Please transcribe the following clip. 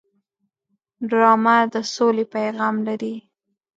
ډرامه د سولې پیغام لري